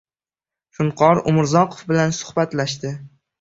Shunqor Umrzoqov bilan suhbatlashdi.